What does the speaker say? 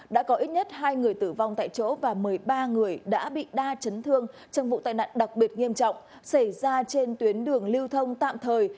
đã có ít nhất hai người tử vong tại chỗ và một mươi ba người đã bị đa chấn thương trong vụ tai nạn đặc biệt nghiêm trọng xảy ra trên tuyến đường lưu thông tạm thời